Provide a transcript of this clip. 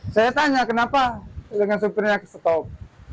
saya tanya kenapa dengan supirnya stop